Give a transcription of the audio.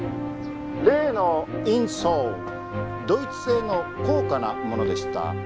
例のインソールドイツ製の高価なものでした。